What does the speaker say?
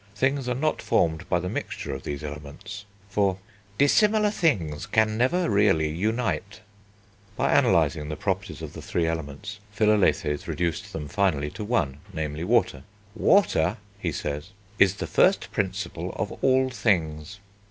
Things are not formed by the mixture of these Elements, for "dissimilar things can never really unite." By analysing the properties of the three Elements, Philalethes reduced them finally to one, namely, Water. "Water," he says, "is the first principle of all things."